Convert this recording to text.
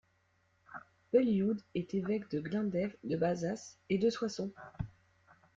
Bullioud est évêque de Glandèves, de Bazas et de Soissons.